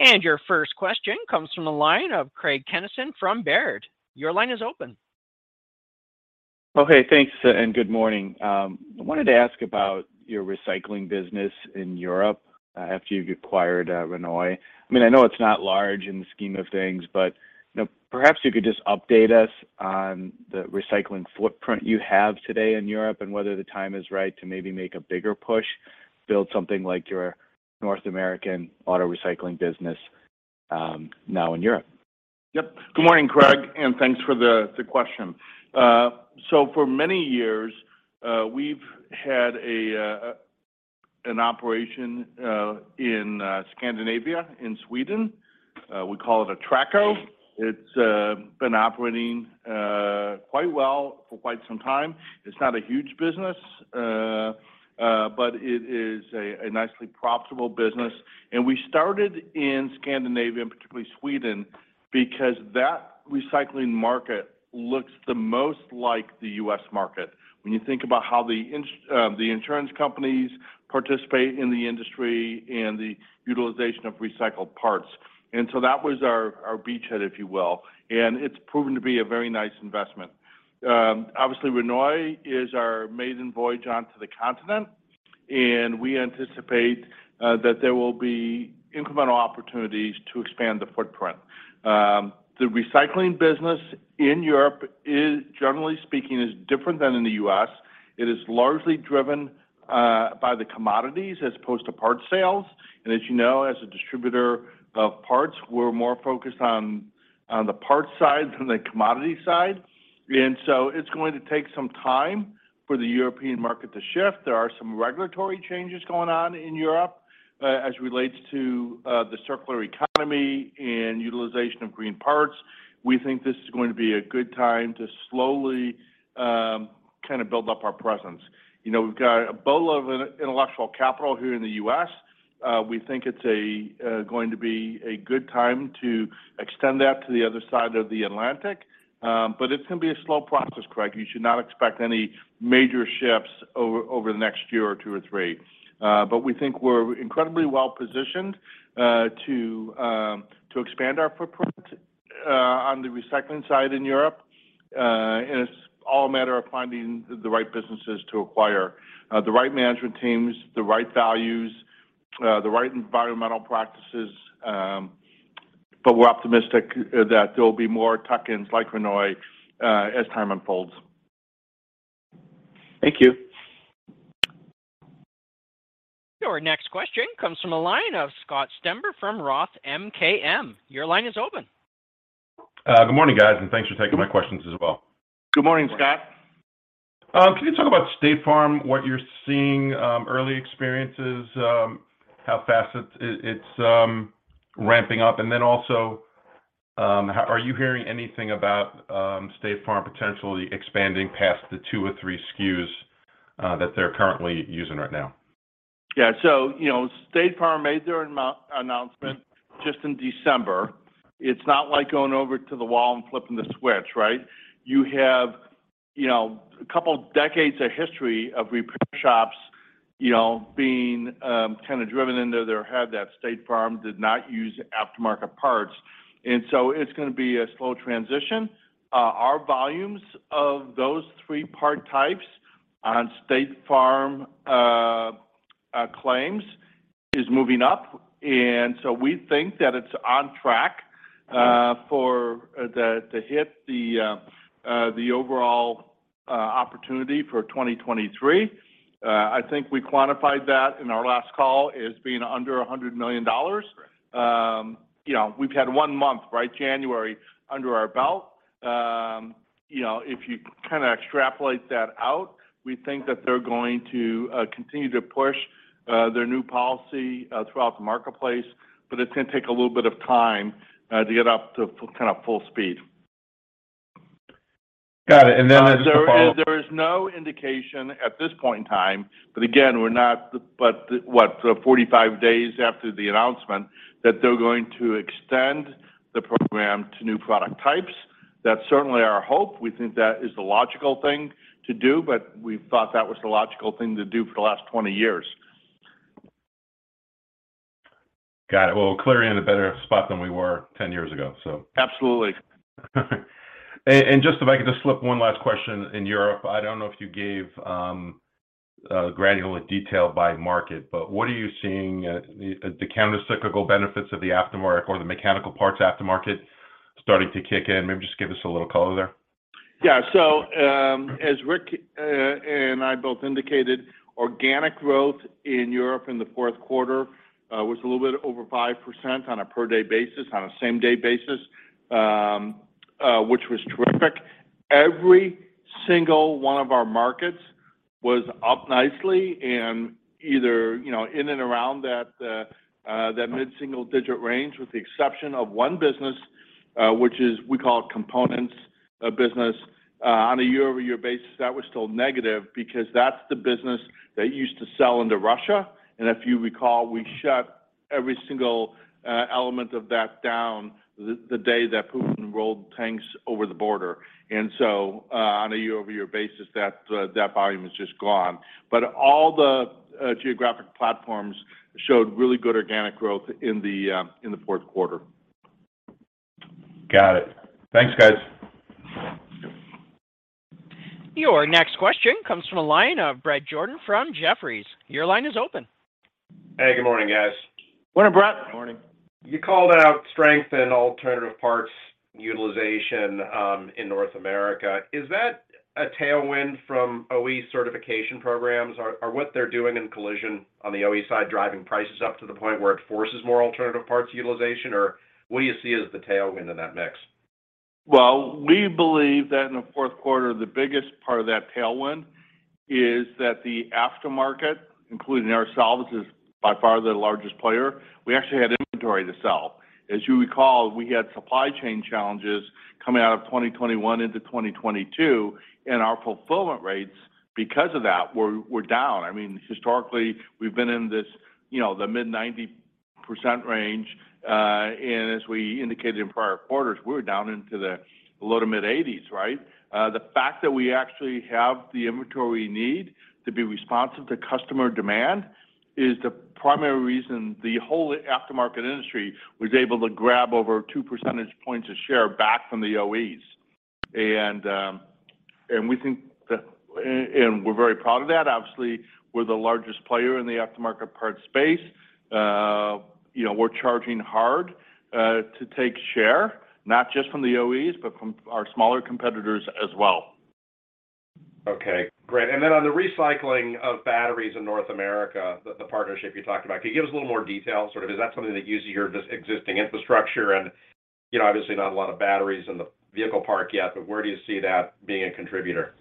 Your first question comes from the line of Craig Kennison from Baird. Your line is open. Hey, thanks, good morning. I wanted to ask about your recycling business in Europe after you've acquired Rhenoy. I mean, I know it's not large in the scheme of things, you know, perhaps you could just update us on the recycling footprint you have today in Europe and whether the time is right to maybe make a bigger push, build something like your North American auto recycling business now in Europe? Yep. Good morning, Craig, and thanks for the question. For many years, we've had an operation in Scandinavia, in Sweden. We call it Atracco. It's been operating quite well for quite some time. It's not a huge business, but it is a nicely profitable business. We started in Scandinavia, and particularly Sweden, because that recycling market looks the most like the U.S. market when you think about how the insurance companies participate in the industry and the utilization of recycled parts. That was our beachhead, if you will, and it's proven to be a very nice investment. Obviously Rhenoy is our maiden voyage onto the continent, and we anticipate that there will be incremental opportunities to expand the footprint. The recycling business in Europe is, generally speaking, different than in the U.S. It is largely driven by the commodities as opposed to parts sales. As you know, as a distributor of parts, we're more focused on the parts side than the commodity side. It's going to take some time for the European market to shift. There are some regulatory changes going on in Europe as it relates to the circular economy and utilization of green parts. We think this is going to be a good time to slowly kind of build up our presence. You know, we've got a bowl of intellectual capital here in the U.S. We think it's going to be a good time to extend that to the other side of the Atlantic. It's gonna be a slow process, Craig. You should not expect any major shifts over the next year or two or three. We think we're incredibly well-positioned, to expand our footprint, on the recycling side in Europe. It's all a matter of finding the right businesses to acquire, the right management teams, the right values, the right environmental practices. We're optimistic that there will be more tuck-ins like Rhenoy, as time unfolds. Thank you. Your next question comes from a line of Scott Stember from Roth MKM. Your line is open. Good morning, guys, and thanks for taking my questions as well. Good morning, Scott. Can you talk about State Farm, what you're seeing, early experiences, how fast it's ramping up? And then also, are you hearing anything about State Farm potentially expanding past the two or three SKUs that they're currently using right now? You know, State Farm made their announcement just in December. It's not like going over to the wall and flipping the switch, right? You have, you know, a couple of decades of history of repair shops, you know, being kind of driven into their head that State Farm did not use aftermarket parts. It's gonna be a slow transition. Our volumes of those three part types on State Farm claims is moving up. We think that it's on track to hit the overall opportunity for 2023. I think we quantified that in our last call as being under $100 million. You know, we've had one month, right, January under our belt. You know, if you kinda extrapolate that out, we think that they're going to continue to push their new policy throughout the marketplace, but it's gonna take a little bit of time to get up to kind of full speed. Got it. Just a follow-up. There is no indication at this point in time, but again, we're not but 45 days after the announcement, that they're going to extend the program to new product types. That's certainly our hope. We think that is the logical thing to do, but we thought that was the logical thing to do for the last 20 years. Got it. Well, clearly in a better spot than we were 10 years ago, so. Absolutely. Just if I could just slip one last question in Europe. I don't know if you gave granular detail by market, but what are you seeing, the countercyclical benefits of the aftermarket or the mechanical parts aftermarket starting to kick in? Maybe just give us a little colour there. Yeah. As Rick, and I both indicated, organic growth in Europe in the Q4, was a little bit over 5% on a per day basis, on a same day basis, which was terrific. Every single one of our markets was up nicely and either, you know, in and around that mid-single digit range with the exception of one business, which is we call it components, business. On a year-over-year basis, that was still negative because that's the business that used to sell into Russia. If you recall, we shut every single, element of that down the day that Putin rolled tanks over the border. So, on a year-over-year basis, that volume is just gone. All the geographic platforms showed really good organic growth in the Q4. Got it. Thanks, guys. Your next question comes from a line of Bret Jordan from Jefferies. Your line is open. Hey, good morning, guys. Morning, Bret. Morning. You called out strength in alternative parts utilization in North America. Is that a tailwind from OE certification programs or what they're doing in collision on the OE side, driving prices up to the point where it forces more alternative parts utilization? Or what do you see as the tailwind in that mix? We believe that in the Q4, the biggest part of that tailwind is that the aftermarket, including ourselves, is by far the largest player. We actually had inventory to sell. As you recall, we had supply chain challenges coming out of 2021 into 2022, and our fulfilment rates because of that were down. I mean, historically, we've been in this, you know, the mid-90% range. As we indicated in prior quarters, we were down into the low to mid-80s, right? The fact that we actually have the inventory we need to be responsive to customer demand is the primary reason the whole aftermarket industry was able to grab over 2% points of share back from the OEs. We think that and we're very proud of that. Obviously, we're the largest player in the aftermarket parts space. You know, we're charging hard to take share, not just from the OEs, but from our smaller competitors as well. Okay. Great. On the recycling of batteries in North America, the partnership you talked about, can you give us a little more detail? Sort of is that something that uses your just existing infrastructure and, you know, obviously not a lot of batteries in the vehicle park yet, but where do you see that being a contributor?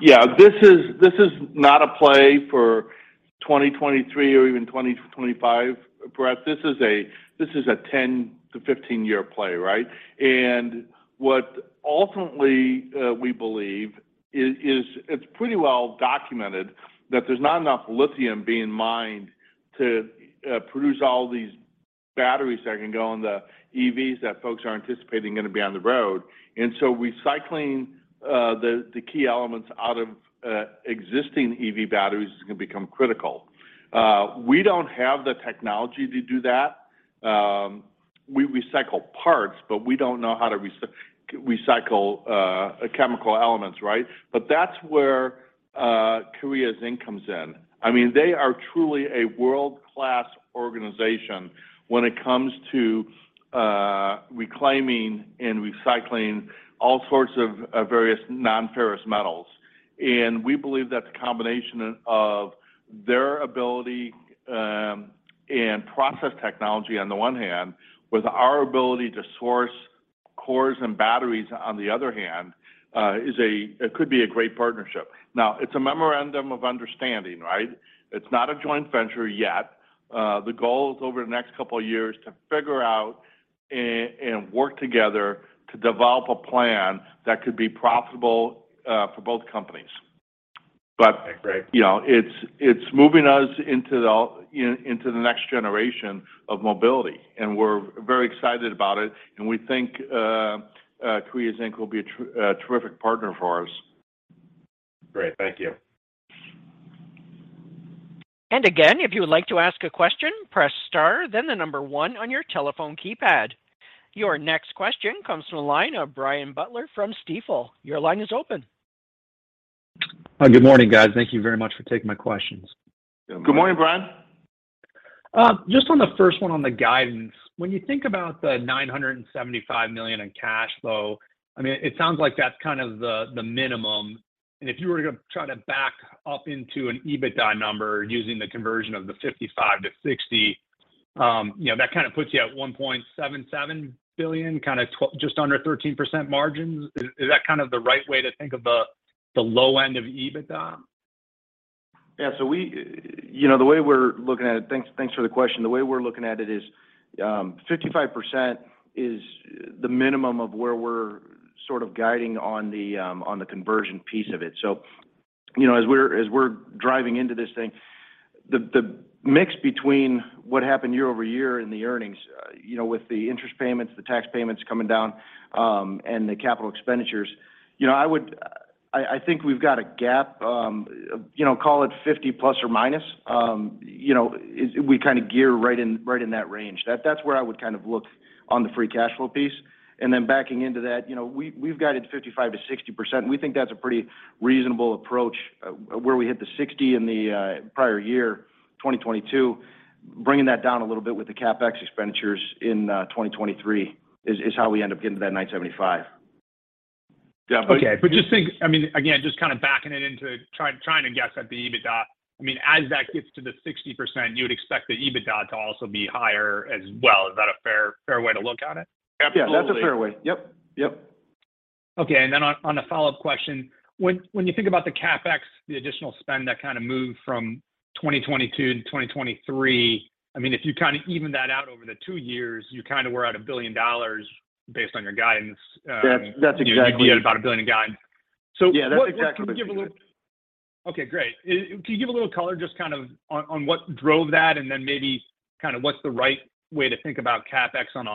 Yeah. This is, this is not a play for 2023 or even 2025, Bret. This is a, this is a 10-15-year play, right? What ultimately, we believe is, it's pretty well documented that there's not enough lithium being mined to produce all these batteries that can go on the EVs that folks are anticipating are gonna be on the road. So recycling, the key elements out of existing EV batteries is gonna become critical. We don't have the technology to do that. We recycle parts, but we don't know how to recycle chemical elements, right? That's where Korea Zinc comes in. I mean, they are truly a world-class organization when it comes to reclaiming and recycling all sorts of various non-ferrous metals. We believe that the combination of their ability in process technology on the one hand, with our ability to source cores and batteries on the other hand, could be a great partnership. Now, it's a memorandum of understanding, right? It's not a joint venture yet. The goal is over the next couple of years to work together to develop a plan that could be profitable for both companies. Great. You know, it's moving us into the, you know, into the next generation of mobility. We're very excited about it. We think Korea Zinc will be a terrific partner for us. Great. Thank you. Again, if you would like to ask a question, press star, then the number one on your telephone keypad. Your next question comes from the line of Brian Butler from Stifel. Your line is open. Good morning, guys. Thank you very much for taking my questions. Good morning. Good morning, Brian. Just on the first one on the guidance. When you think about the $975 million in cash flow, I mean, it sounds like that's kind of the minimum. If you were gonna try to back up into an EBITDA number using the conversion of the 55% to 60%, you know, that kinda puts you at $1.77 billion, just under 13% margins. Is that kind of the right way to think of the low end of EBITDA? You know, the way we're looking at it. Thanks for the question. The way we're looking at it is 55% is the minimum of where we're sort of guiding on the conversion piece of it. You know, as we're driving into this thing, the mix between what happened year-over-year in the earnings, you know, with the interest payments, the tax payments coming down, and the capital expenditures, you know, I think we've got a gap, you know, call it 50 plus or minus. You know, we kinda gear right in, right in that range. That's where I would kind of look on the free cash flow piece. Backing into that, you know, we've guided 55% to 60%. We think that's a pretty reasonable approach, where we hit the $60 in the prior year, 2022. Bringing that down a little bit with the CapEx expenditures in 2023 is how we end up getting to that $975. Yeah. [inaudible] Okay. I mean, again, just kind of backing it into trying to guess at the EBITDA, I mean, as that gets to the 60%, you would expect the EBITDA to also be higher as well. Is that a fair way to look at it? Yeah, absolutely. Yeah, that's a fair way. Yep. Okay. On a follow-up question. When you think about the CapEx, the additional spend that kinda moved from 2022 to 2023, I mean, if you kinda even that out over the two years, you kinda were at $1 billion based on your guidance. That's. You know, be at about $1 billion guide. Yeah, that's exactly-. [inaudible] Okay, great. Can you give a little colour just kind of on what drove that and then maybe kinda what's the right way to think about CapEx on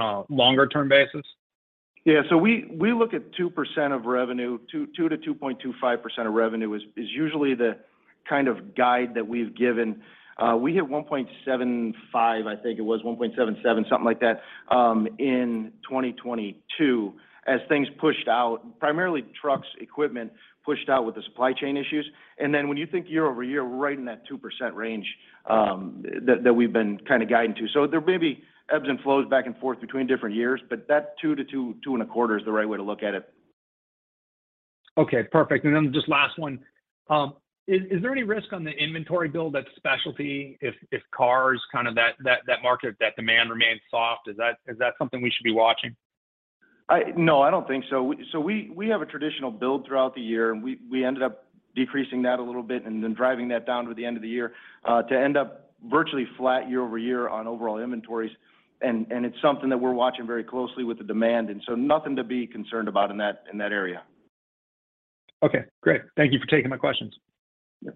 a longer term basis? Yeah. we look at 2% of revenue. 2% to 2.25% of revenue is usually the kind of guide that we've given. We hit 1.75, I think it was, 1.77, something like that, in 2022 as things pushed out. Primarily trucks, equipment pushed out with the supply chain issues. When you think year-over-year, we're right in that 2% range, that we've been kind of guiding to. There may be ebbs and flows back and forth between different years, but that 2% to 2.25% is the right way to look at it. Okay, perfect. Then just last one. Is there any risk on the inventory build that's Specialty if cars, kinda that market, that demand remains soft? Is that something we should be watching? No, I don't think so. We have a traditional build throughout the year, and we ended up decreasing that a little bit and then driving that down to the end of the year, to end up virtually flat year-over-year on overall inventories. It's something that we're watching very closely with the demand. Nothing to be concerned about in that, in that area. Okay, great. Thank you for taking my questions. Yeah.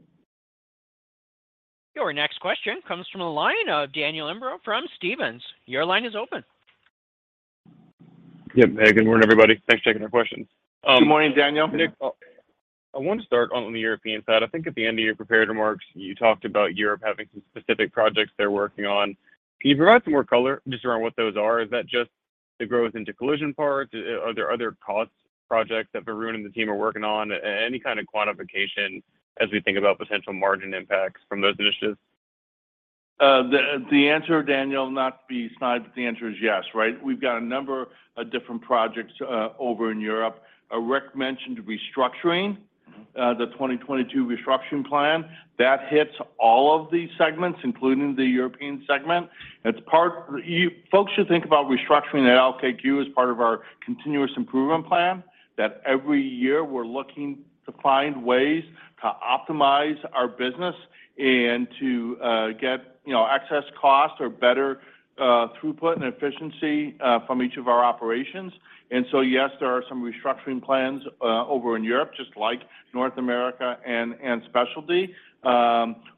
Your next question comes from the line of Daniel Imbro from Stephens. Your line is open. Yeah. Hey, good morning, everybody. Thanks for taking the questions. Good morning, Daniel. Nick, I want to start on the European side. I think at the end of your prepared remarks, you talked about Europe having some specific projects they're working on. Can you provide some more colour just around what those are? Is that just the growth into collision parts? Are there other cost projects that Varun and the team are working on? Any kind of quantification as we think about potential margin impacts from those initiatives? The answer, Daniel, not to be snide, but the answer is yes, right? We've got a number of different projects over in Europe. Rick mentioned restructuring, the 2022 restructuring plan. That hits all of the segments, including the European segment. Folks should think about restructuring at LKQ as part of our continuous improvement plan, that every year we're looking to find ways to optimize our business and to get, you know, access cost or better throughput and efficiency from each of our operations. Yes, there are some restructuring plans over in Europe, just like North America and Specialty.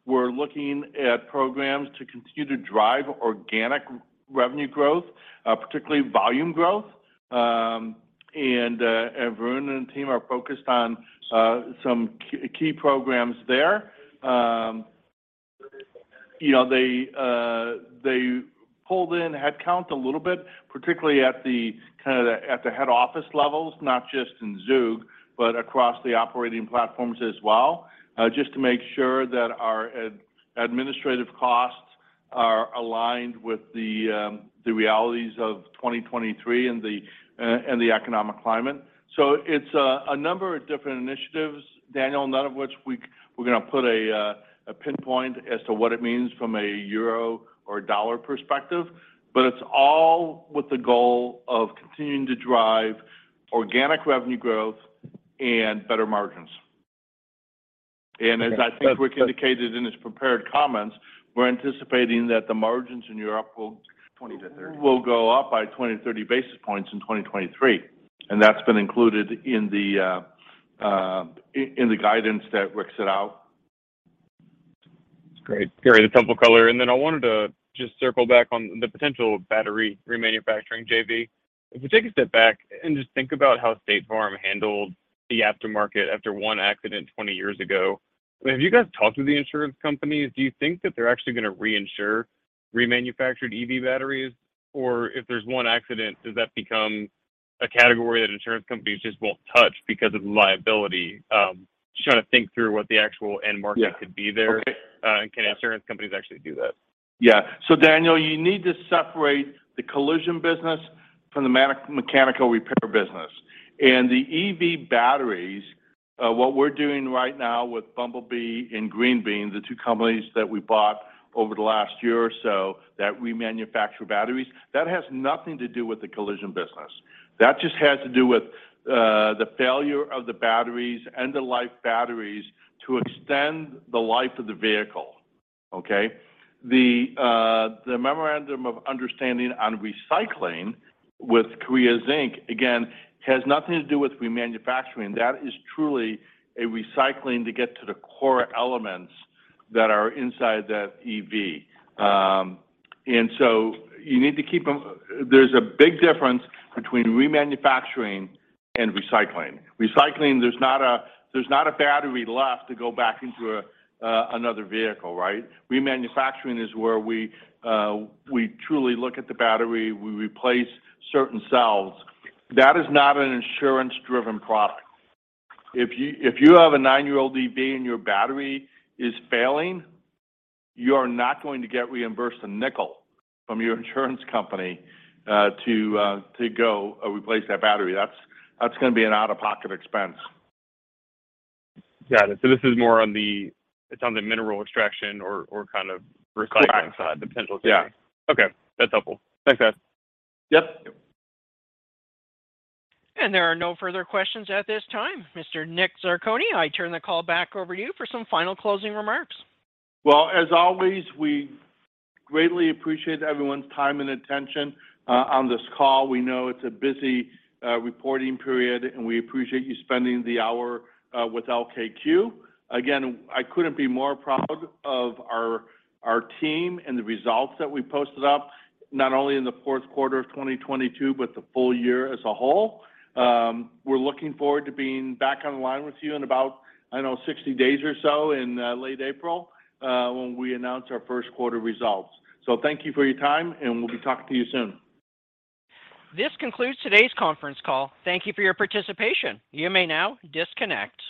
We're looking at programs to continue to drive organic revenue growth, particularly volume growth. And Varun and team are focused on some key programs there. You know, they pulled in headcount a little bit, particularly at the kinda the, at the head office levels, not just in Zug, but across the operating platforms as well, just to make sure that our administrative costs are aligned with the realities of 2023 and the and the economic climate. It's a number of different initiatives, Daniel, none of which we're gonna put a pinpoint as to what it means from a euro or dollar perspective, but it's all with the goal of continuing to drive organic revenue growth and better margins. As I think Rick indicated in his prepared comments, we're anticipating that the margins in Europe will- 20 to 30. will go up by 20 to 30 basis points in 2023, and that's been included in the guidance that Rick set out. That's great. Gary, the temple colour, and then I wanted to just circle back on the potential battery remanufacturing JV. If you take a step back and just think about how State Farm handled the aftermarket after one accident 20 years ago, have you guys talked to the insurance companies? Do you think that they're actually gonna reinsure remanufactured EV batteries? Or if there's one accident, does that become a category that insurance companies just won't touch because of the liability? Just trying to think through what the actual end market. Yeah could be there. Okay. Yeah. Can insurance companies actually do that? Daniel, you need to separate the collision business from the mechanical repair business. The EV batteries, what we're doing right now with Bumblebee and Green Bean, the two companies that we bought over the last year or so that remanufacture batteries, that has nothing to do with the collision business. That just has to do with the failure of the batteries and the life batteries to extend the life of the vehicle. Okay. The memorandum of understanding on recycling with Korea Zinc, again, has nothing to do with remanufacturing. That is truly a recycling to get to the core elements that are inside that EV. You need to keep them. There's a big difference between remanufacturing and recycling. Recycling, there's not a, there's not a battery left to go back into a another vehicle, right? Remanufacturing is where we truly look at the battery. We replace certain cells. That is not an insurance-driven product. If you, if you have a nine-year-old EV and your battery is failing, you are not going to get reimbursed a nickel from your insurance company to go replace that battery. That's gonna be an out-of-pocket expense. Got it. It's on the mineral extraction or kind of recycling side. Correct. The potential. Yeah. Okay. That's helpful. Thanks, guys. Yep. There are no further questions at this time. Mr. Nick Zarcone, I turn the call back over to you for some final closing remarks. Well, as always, we greatly appreciate everyone's time and attention, on this call. We know it's a busy, reporting period, and we appreciate you spending the hour, with LKQ. Again, I couldn't be more proud of our team and the results that we posted up, not only in the Q4 of 2022, but the full year as a whole. We're looking forward to being back online with you in about, I don't know, 60 days or so in, late April, when we announce our Q1 results. Thank you for your time, and we'll be talking to you soon. This concludes today's conference call. Thank you for your participation. You may now disconnect.